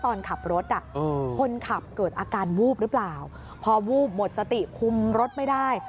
ตอนขับรถอ่ะคนขับเกิดอาการวูบหรือเปล่าพอวูบหมดสติคุมรถไม่ได้